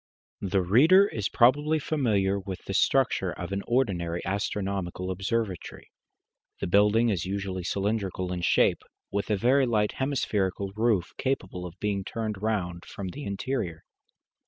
The reader is probably familiar with the structure of an ordinary astronomical observatory. The building is usually cylindrical in shape, with a very light hemispherical roof capable of being turned round from the interior.